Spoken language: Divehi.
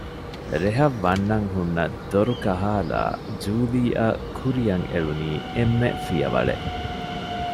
ރެހަށް ވަންނަން ހުންނަ ދޮރުކަހާލައި ޖޫލީއަށް ކުރިއަށް އެޅުނީ އެންމެ ފިޔަވަޅެއް